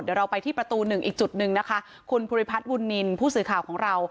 เดี๋ยวเราไปที่ประตูหนึ่งอีกจุดหนึ่งนะคะคุณภูริพัฒน์บุญนินทร์ผู้สื่อข่าวของเรา